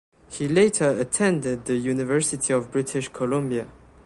He later attended the University of British Columbia.